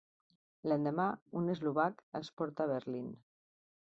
L'endemà, un eslovac els porta a Berlín.